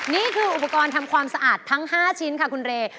นี่คืออุปกรณ์ทำความสะอาดทั้ง๕ชิ้นค่ะคุณเร